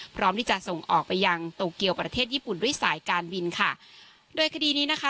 พร้อมที่จะส่งออกไปยังโตเกียวประเทศญี่ปุ่นด้วยสายการบินค่ะโดยคดีนี้นะคะ